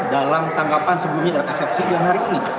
dalam tanggapan sebelumnya dari psp dan hari ini